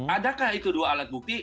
adakah itu dua alat bukti